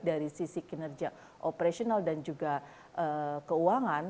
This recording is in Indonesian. dari sisi kinerja operasional dan juga keuangan